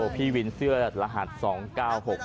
พี่วินเสื้อรหัสสองใบ